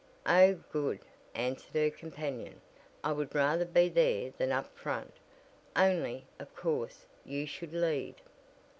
"Oh, good," answered her companion, "I would rather be there than up front. Only, of course, you should lead."